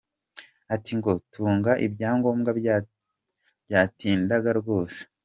Ati ”Nko gutanga ibyangombwa byatindaga rwose.